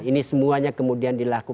ini semuanya kemudian dilakukan